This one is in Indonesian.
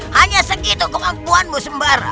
hanya segitu kemampuanmu sembara